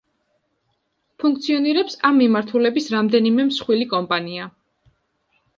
ფუნქციონირებს ამ მიმართულების რამდენიმე მსხვილი კომპანია.